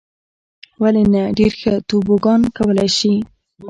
ولې نه. ډېر ښه توبوګان کولای شې.